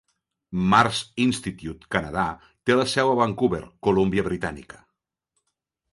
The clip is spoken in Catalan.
Mars Institute (Canadà) té la seu a Vancouver, Colúmbia Britànica.